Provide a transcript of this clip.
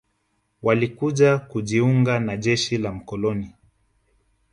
Walikuja kujiunga na jeshi la mkoloni